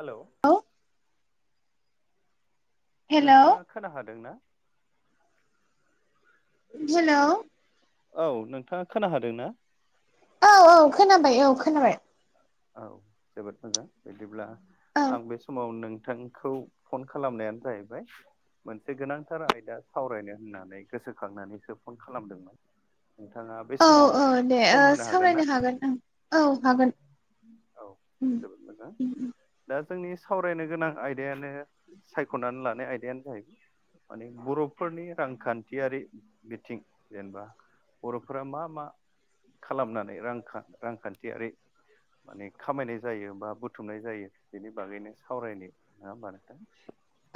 हेल' औ हेलौ नोंथाङा खोनाहादों ना? हेल' औ नोंथाङा खोना होदों ना? औ औ खोनाबाय औ खोनाबाय औ जोबोद मोजां बिदिब्ला औ आं बे समाव नोंथांखौ फन खालामनायानो जाहैबाय मोनसे गोनांथार आयदा सावरायनो होननानै गोसोखांनानैसो फन खालामदोंमोन नोंथाङा बे औ समाव औ दे ओ सम होनो हागोन सावरायनो ना हागोन ओं औ हागोन औ जोबोद मोजां दा जोंनि सावरायनो गोनां आयदायानो सायख'नानै लानाय आयदायानो जाहैबाय माने बर'फोरनि रांखान्थियारि बिथिं जेनेबा बर'फोरा मा मा खालामनानै रां रांखान्थियारि माने खामायनाय जायो बा बुथुमनाय जायो बिनि बागैनो सावरायनाय नङा होमबा नोंथां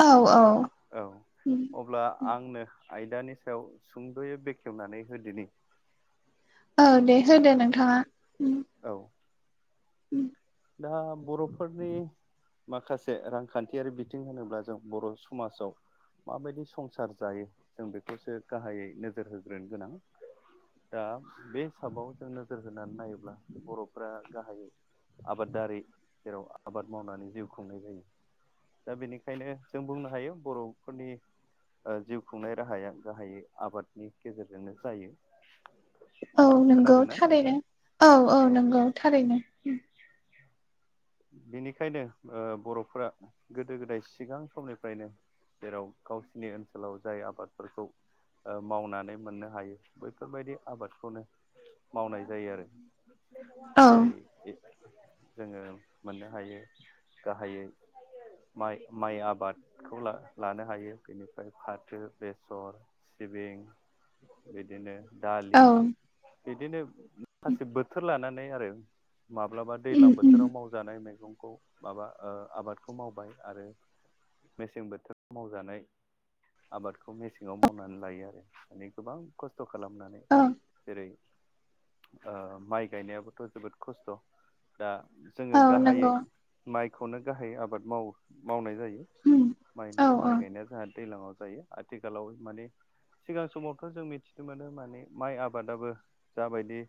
औ औ औ अब्ला आंनो आयदानि सायाव सुंद'यै बेखेवनानै होदोनि औ दे होदो नोंथाङा औ उम दा बर'फोरनि माखासे रांखान्थियारि बिथिं होनोब्ला जों बर' समाजाव माबायदि संसार जायो जों बेखौसो गाहायै नोजोर होग्रोनो गोनां दा बे हिसाबाव जों नोजोर होनानै नायोब्ला बर'फ्रा गाहायै आबादारि जेराव आबाद मावनानै जिउ खुंनाय जायो दा बेनिखायनो जों बुंनो हायो बर'फोरनि ओ जिउ खुंनाय राहाया गाहायै आबादनि गेजेरजोंनो जायो औ नोंगौ खोनादोंना थारैनो नोंथाङा? औ औ नंगौ थारैनो [inaudible] बिनिखायनो ओ बर'फोरा गोदो गोदाय सिगां समनिफ्रायनो जेराव गावसिनि ओनसोलाव जाय आबादफोरखौ ओ मावनानै मोननो हायो बैफोरबायदि आबादखौनो मावनाय जायो आरो औ जेरै जोङो मोननो हायो गाहायै माइ माइ आबादखौ ला लानो हायो बेनिफ्राय फाथो बेसर सिबिं बिदिनो औ दालि बिदिनो माखासे बोथोर लानानै आरो माब्लाबा दैज्लां बोथोराव मावजानाय मैगंखौ माबा ओ आबादखौ मावबाय आरो मेसें बोथोराव मावजानाय आबादखौ मेसेङाव मावनानै लायो आरो माने गोबां खस्थ' खालामनानै जेरै ओ माइ गायनायाबोथ' जोबोद खस्थ' दा औ जोङो गाहायै नंगौ माइखौनो गाहायै आबाद माव मावनाय जायो माइ औ औ औ माइ गायनाया जोंहा दैज्लाङाव जायो आथिखालाव माने सिगां समावथ' जों मिथिनो मोनो माने माइ आबादाबो जाबायदि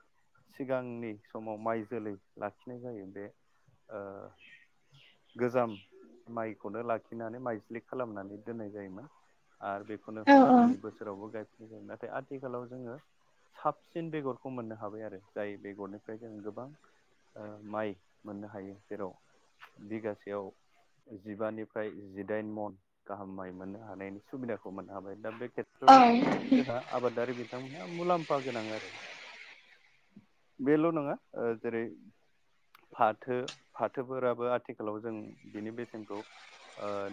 सिगांनि समाव माइ जोलै लाखिनाय जायो बे गोजा माइखौनो लाखिनानै माइज्लि खालामनानै दोननाय जायोमोन आरो बेखौनो औ उननि बोसोर बोरावबो गायफिननाय नाथाय आथिखालाव जोङो साबसिन बेगरखौ मोननो हाबाय आरो जाय बेगरनिफ्राय जों गोबां ओ माइ मोननो हायो जेराव बिगासेयाव जिबानिफ्राय जिदाइन मन गाहामाइ मोननो हानायनि सुबिदाखौ मोननो हाबाय दा बे ख्रे औ आबादारि बिथांमोनहा मुलाम्फा गोनां आरो बेल' नङा जेरै फाथो फाथोफोराबो आथिखालाव जों बिनि बेसेनखौ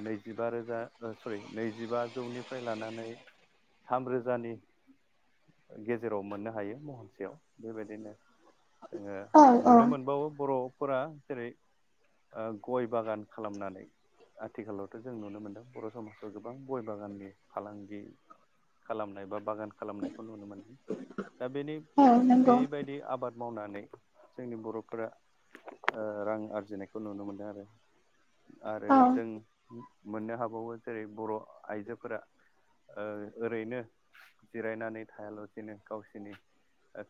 नैजिबा रोजा सरि नैजिबाजौनिफ्राय लानानै थाम रोजानि गेजेराव मोननो हायो महनसेयाव बेबायदिनो जोङो औ नुनो मोनबावो बर'फोरा जेरै गय बागान खालामनानै आथिखालावथ' जों नुनो मोन्दों बर' समाजाव गोबां गय बागाननि फालांगि खालामनाय बा बागान खालामनायखौ नुनो मोनदों दा बेनि औ नंगौ बेबायदि आबाद मावनानै जोंनि बर'फोरा रां आरजिनायखौ नुनो मोनदों आरो आरो औ जों मोननो हाबावो जेरै बर' आइजोफोरा ओरैनो जिरायनानै थायालासेनो गावसिनि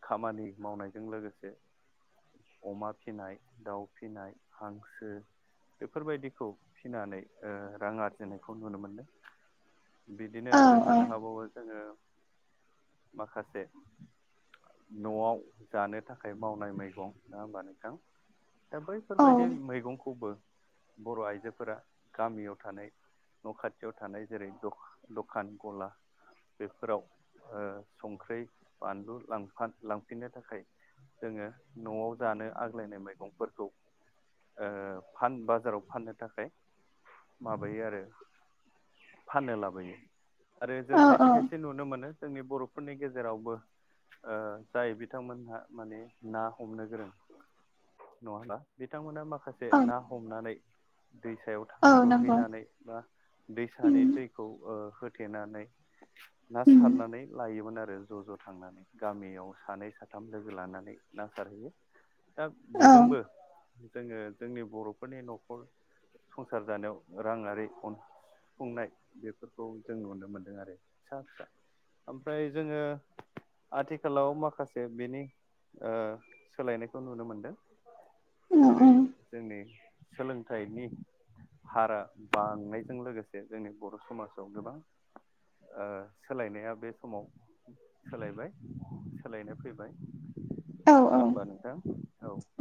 खामानि मावनायजों लोगोसे अमा फिसिनाय दाउ फिसिनाय हांसो बेफोरबायदिखौ फिनानै रां आरजिनायखौ नुनो मोनदों बिदिनो औ आरो औ मोननो हाबावो जोङो माखासे न'आव जानो थाखाय मावनाय मैगं ना हबानो दा बैफोरबायदि मैगंखौबो बर' आइजोफोरा गामियाव थानाय न' खाथियाव थानाय जेरै दखान गला बेफोराव संखै बानलुांफ लांफिननो थाखाय जोङो न'आव जानो आग्लायनाय मैगंफोरखौ फ बाजाराव फाननो थाखाय माबायो आरो फाननो लाबयो आरो जों औ खायसे औ खायसे नुनो मोनो जोंनि बर'फोरनि गेजेरावबो जाय बिथांमोनहा माने ना हमनो गोरों नङाब्ला बिथांमोना माखासे औ ना हमनानै दैसायाव औ नंगौ गुरहैनानै बा उम दैसानि दैखौ होथेनानै ना उम सारनानै लायोमोन आरो ज' ज' थांनानै गामियाव सानै साथाम लोगो लानानै ना सारहैयो दा औ बेजोंबो जोङो जोंनि बर'फोरनि न'खर संसार जानायाव राङारि अन खुंनाय बेफोरखौ जों नुनो मोनदों आरो फिसा फिसा ओमफ्राय जोङो आथिखालाव माखासे बेनि सोलायनायखौ नुनो मोनदों औ जेरै जोंनि सोलोंथाइनि हारा बांनायजों लोगोसे जोंनि बर' समाजाव गोबां सोलायनाया बे समाव सोलायबाय सोलायनो फैबाय नङा होमबा नोंथां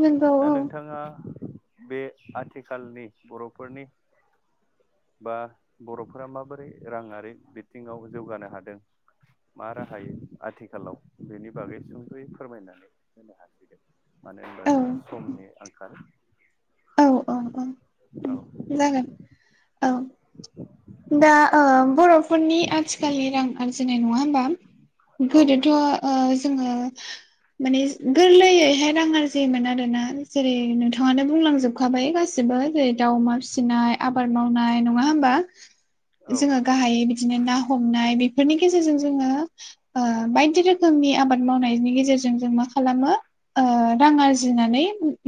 नोंगौ औ बिथाङा बे आथिखालनि बर'फोरनि बा बर'फोरा माबोरै राङारि बिथिङाव जौगानो हादों। मा राहायो आथिखालाव बेनि बागै सुंद'यै फोरमायनानै होनो हागोन मानो औ होनबा जों समनि आंखाल औ औ उम औ। जागोन औ दा बर'फोरनि आथिखालनि रां आरजिनाय नङा होमबा औ गोदोथ' नंगौ जोङो माने गोरलैयैहाय राङ जमोन आरोना जेरै नोंथाङानो बुंलांजोबखाबाय गासिबो जेरै दाउमार आ हब ज औ ग बि बिदिनो ना हमनाय बेफोरनि गेजेरजों जोङो बायदि रोखोमनि आबाद मावनायनि गेजेरजों जों मा खालामो ओ रां आरजिनानै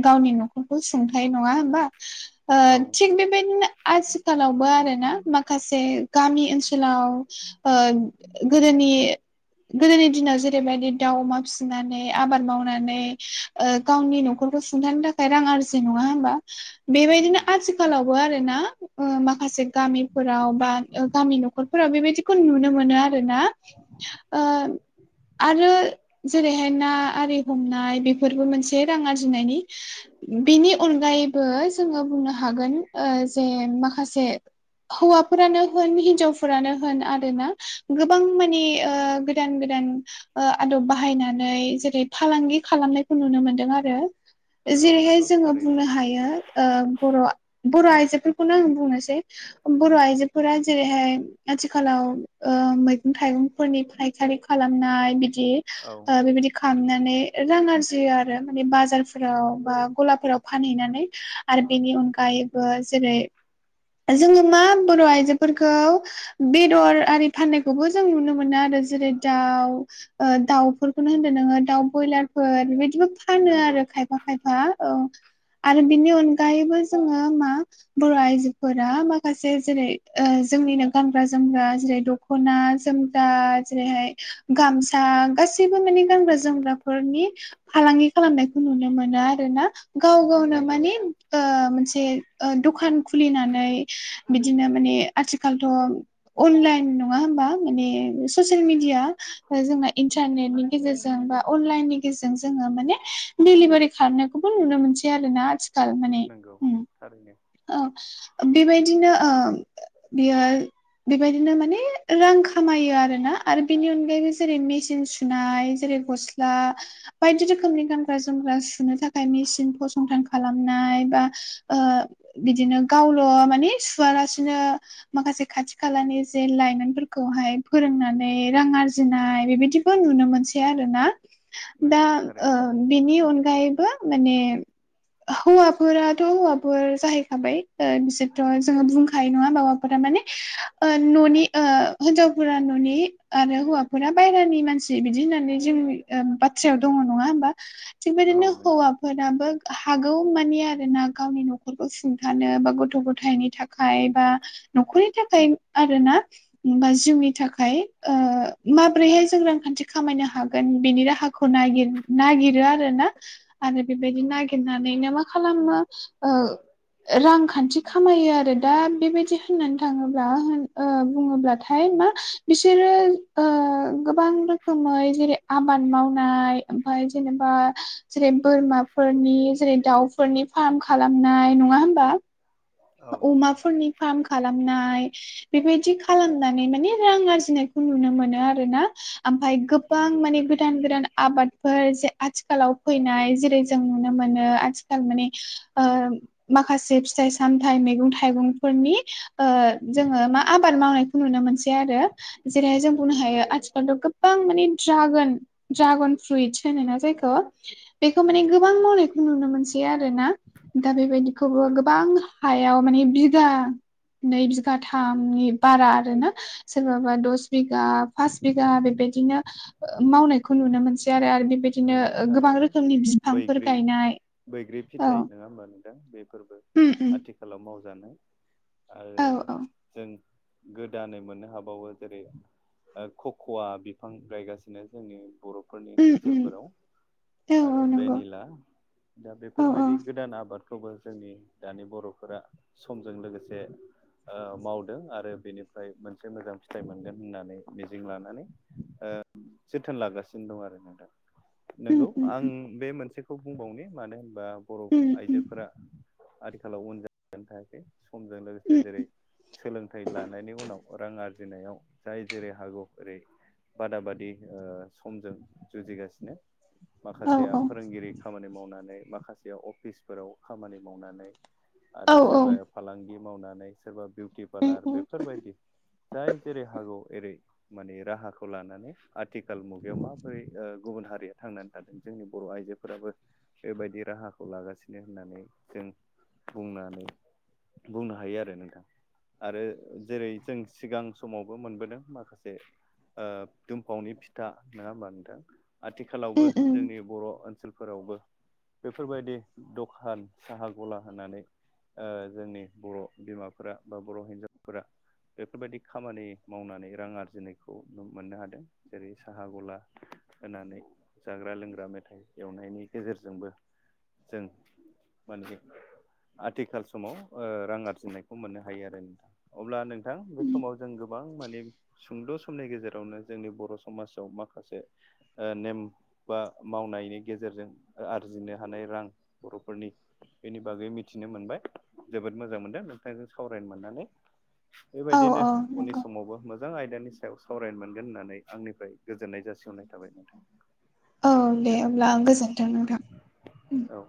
गावनि न'खरखौ सुंथाय नङा होमबा ओ औ थिग बेबायदिनो आथिखालावबो आरोना माखासे गामि ओनसोलाव ओ गोदोनि गोदोनि दिनाव जेरैबायदि दाउ अमा फिसिनानै आबाद मावनानै ओ गावनि न'खरखौ सुंथानो थाखाय रां आरजि नङा होमबा? बेबायदिनो उम आथिखालावबो आरो ना। माखासे गामिफोराव बा गामि न'खरफोराव बेबायदिखौ नुनो मोनो आरो ना। ओ आरो जेरैहाय ना आरि हमनाय बेफोरबो मोनसे रां आरजिनायनि बिनि अनगायैबो जोङो बुंनो हागोन जे माखासे हौवाफोरानो होन हिनजावफोरानो होन आरो ना गोबां मानि गोदान गोदान आदब बाहायनानै जेरै फालांगि खालामनायखौ नुनो मोनदों आरो। औ जेरैहाय नंगौ जोङो थारैनो बुंनो हायोओ बर' बर' आइजोफोरखौनो आं बुंनोसै बर' आइजोफोरा जेरैहाय आथिखालाव ओ मै गं थाइगंफोरनि फायखारि खालामनाय बिदि औ बेबायदि खालामनानै रां आरजियो आरो माने बाजारफोराव बा गलाफोराव फानहैनानै आरो बेनि अनगायैबो जेरै जोङो मा बर' आइजोफोरखौ बेदर आरि फाननायखौबो जों नुनो मोनो मोन आरो जेरै दाउ ओ दाउफोरखौनो होनदोंो नोङो दाउ ब्रयलार फोर बिदि फानो नंगौ आरो खाय फा खायफा औ आरो बिनि अनगायैबो जोङो मा बर' आइजो फोरा माखासे जेरै जोंनिनो गानग्रा जोमग्रा जेरै दख'ना जोमग्रा जेरैहाय गामसा गासैबो माने गानग्रा जोमग्राफोरनि फालांगि खालामनायखौ नुनो मोनो आरो ना गाव गावनो नंगौ माने ओ मोनसे ओ दखान खुलिनानै बिदिनो माने आथिखालथ' अनलाइन नङा होमबा माने ससियेल मिडिया जोङो इन्टारनेटनि गेजेरजों बा अनलाइननि गेजेरजों जोङो माने डिलिभारि खालामारनायखौबो नुनो मोनसै आरो ना आथि नोंगौ थारैनो औ बेबायदिनो बियो ओ बियो बेबायदिनो माने रां खामायो आरोना आरो बेनि अनगायैबो जेरै मेचिन सुनाय जेरै गस्ला बायदि रोखोमनि गानग्रा जोमग्रा सुनो था खाइ मिसिन फसंथान खालामनाय बा ओ बिदिनो गावल' माने सुवालासिनो माखासे खाथि खालानि जे लाइमोनफोरखौहाय फोरोंनानै रां आरजिनाय बेबायदि नुनो मोनसै आरोना दा नंगौ ओ थारैनो बिनि अनगायैबो माने हौवाफोराथ' हौवाफोर जाहैखाबाय ओ बिसोरथ' जोङो बुंखायो नङा होनबा हौवाफोरा माने ओ न'नि ओ हिनजावफोरा न'नि आरो हौवाफोरा बायेरानि मानसि बिदि होननानै जोंनि ओ बाथ्रायाव दङ नङा होनबा थिगबायदिनो औ नंगौ हौवाफोराबो हागौ मानि आरो ना गावनि न'खर नखरखौ सुंथानो बा गथ' गथायनि थाखाय बा न'खरनि थाखाय आरो ना बा जिउनि थाखाय ओ माब्रैहाय जों रांखान्थि खामायनो हागोन बेनि राहाखौ खौ नागिर नागिरो आरो ना आरो बेबायदि नंगौ नागिरनानैनो मा खालामो ओ रांखान्थि खामायो आरो दा बेबायदि होननानै थाङोब्ला होन ओ बुङोब्लाथाय मा बिसोरो ओ गोबां रोखोमै जेरै आबाद मावनाय ओमफाय जेनेबा जेरै बोरमाफोरनि जेरै दाउफोरनि फार्म खालामनाय नङा होमबा औ नंगौ अमाफोरनि फार्म खालामनाय बेबायदि खालामनानै माने रां आर्जिनायखौ नुनो मोनो आरो ना ओमफ्राय गोबां नंगौ माने थारैनो गोदान गोदान आबादफोर जे आथिखालाव फैनाय जेरै जों नुनो मोनो आथिखाल माने ओ माखासे फिथाइ सामथाइ मैगं थाइगं फोरनि ओ जोङो मा आबाद मावनाय नुनो मोनसै आरो जेरैहाय जों बुंनो नंगौ हायो थारैनो आथिखालाव गोबां माने ड्रागोन ड्रागन फ्रुइटस होनो ना जायखौ बेखौ माने गोबां मावनायखौ नुनो मोनसै आरो ना दा बेबायदिखौबो गोबां हायाव मानि बिगा नै बिगाथामनि बारा आरो ना सोरबाबा दस बिगा पास बिगा बेबायदिनो ओ मावनायखौ नुनो मोनसै आरो बेबायदिनो नंगौ गोबां थारैनो रोखोमनि बिफांफोर बैग्रि गायनाय बैग्रि औ फिथाइ नङा होमबा नों बेफोरबो उम उम आथिखालाव मावजानाय आरो औ औ जों गोदानै मोननो हाबावो जेरै खख'वा बिफां गायगासिनो जोंनि बर' फोरनि उम उम ओनसोलफोराव औ आरो औ नंगौ भेनिला दा औ औ बेफोरबायदि गोदान आबाद खौबो जोंनि दानि बर'फोरा समजों लोगोसे ओ मावदों आरो बेनिफ्राय मोनसे मोजां फिथाइ मोनगोन होननानै मिजिं लानानै ओ जोथोन लागासिनो दं आरो नोंथां उम नंगौ उम आं उम बे मोनसेखौ बुंबावनि मानो होनबा बर' उम आइजोफोरा आथिखालाव उन जानानै थायाखै समजों लोगोसे उम जेरै सोलोंथाइ लानायनि उनाव रां आरजि जिनायाव जाय जेरै हागौ ओरै बादा बादि ओ समजों जुजिगासिनो औ माखासेया औ फोरोंगिरि खामानि मावनानै माखासे अफिसफोराव खामानि मावनानै औ आरो औ सोरबाया फालांगि मावनानै सोरबा बिउटि उम पार्लार उम बेफोरबायदि जाय जेरै हागौ एरै माने राहाखौ लानानै आथिखाल मुगायाव माबोरै ओ गुबुन हारिया थांनानै थादों जोंनि बर' आइजोफोराबो बेबायदि राहाखौ लागासिनो होननानै जों बुंनानै बुंनो हायो आरो नोंथां आरो जेरै जों सिगां समावबो मोनबोदों माखासे ओ दुमफावनि फिथा नडा होनबा नोंथां आथिखालावबो उम उम जोंनि बर' ओनसोलफोरावबो बेफोरबायदि दखान साहा गला होनानै ओ जोंनि बर' बिमाफोरा बा बर' हिन्जावफोरा बेफोरबायदि खामानि मावनानै रां आरजिनायखौ मोननो हादों जेरै साहा गला होनानै जाग्रा लोंग्रा मेथाइ एवनायनि गेजेरजोंबो जों माने आथिखाल समाव ओ रां आरजिनायखौ मोननो हायो आरो नोंथां अब्ला नोंथां बे उम समाव जों गो गोबां माने सुंद' समनि गेजेरावनो जोंनि बर' समाजाव माखासे ओ नेम बा मावनायनि गेजेरजों आरजिनो हानाय रां बर'फोरनि बेनि बागै मिथिनो मोनबाय जोबोद मोजां मोनदों नोंथांजों सावरायनो मोननानै औ बेबायदिनो औ उननि नंगौ समावबो मोजां आयदानि सायाव सावरायनो मोनगोन होननानै आंनिफ्राय गोजोननाय जासिहरनाय थाबाय [inaudible] औ दे गोजोनथों अब्ला आं गोजोनथों नोंथां औ